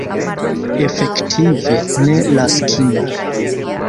Efektive, ne, Laskino.